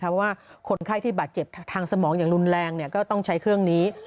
เพราะว่าคนไข้ที่บาดเจ็บทางสมองอย่างรุนแรงก็ต้องใช้เครื่องนี้